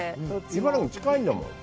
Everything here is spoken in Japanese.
茨城近いんだもん。